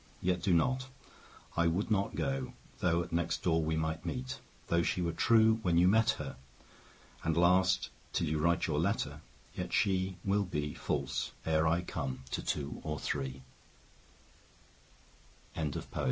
20 Yet do not; I would not go, Though at next door we might meet. Though she were true when you met her, And last till you write your letter, Yet she 25 Will be False, ere I come, to